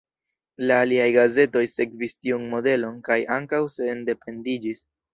La aliaj gazetoj sekvis tiun modelon kaj ankaŭ sendependiĝis.